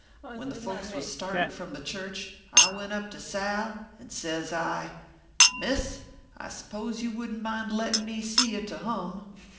When the folks was startin from the church, I went up to Sal, and sez I, l Miss, I s pose you wouldn t mind lettin me see you tu hum.